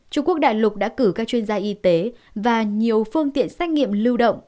trung quốc đại lục đã cử các chuyên gia y tế và nhiều phương tiện xét nghiệm lưu động